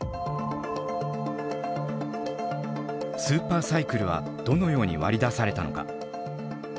スーパーサイクルはどのように割り出されたのか？